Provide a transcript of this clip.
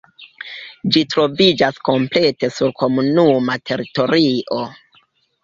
Ĝi troviĝas komplete sur komunuma teritorio.